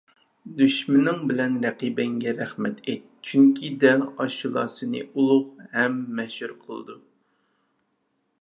دۈشمىنىڭ بىلەن رەقىبىڭگە رەھمەت ئېيت. چۈنكى دەل ئاشۇلا سېنى ئۇلۇغ ھەم مەشھۇر قىلىدۇ.